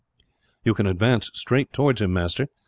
"You can advance straight towards him, master.